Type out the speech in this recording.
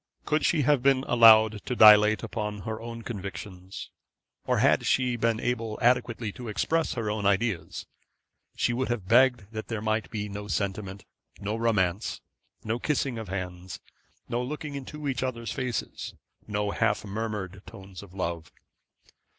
Could she have been allowed to dilate upon her own convictions, or had she been able adequately to express her own ideas, she would have begged that there might be no sentiment, no romance, no kissing of hands, no looking into each other's faces, no half murmured tones of love.